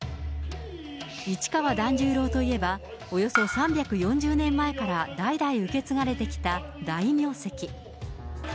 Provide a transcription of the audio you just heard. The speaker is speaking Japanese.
市川團十郎といえば、およそ３４０年前から代々受け継がれてきた大名跡。